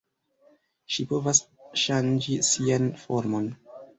Ŝi povas ŝanĝi sian formon.